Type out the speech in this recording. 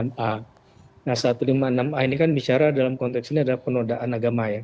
nah satu ratus lima puluh enam a ini kan bicara dalam konteks ini adalah penodaan agama ya